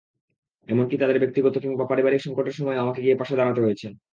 এমনকি তাদের ব্যক্তিগত কিংবা পারিবারিক সংকটের সময়েও আমাকে গিয়ে পাশে দাঁড়াতে হয়েছে।